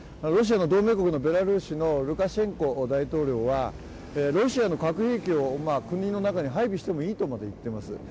ロシアの同盟国のベラルーシのルカシェンコ大統領はロシアの核兵器を国の中に配備してもいいとまで言っています。